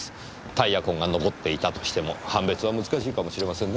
タイヤ痕が残っていたとしても判別は難しいかもしれませんね。